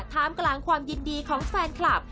ท่ามกลางความยินดีของแฟนคลับ